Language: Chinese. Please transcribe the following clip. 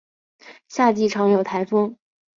夏季常有台风。